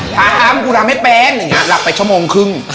ถ้าอ้ำกูทำให้แป๊งอย่างนี้หลับไปชั่วโมงครึ่ง